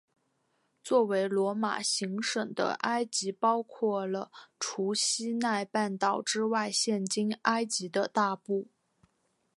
作为罗马行省的埃及包括了除西奈半岛之外现今埃及的大部。